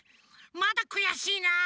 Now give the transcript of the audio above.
まだくやしいなあ！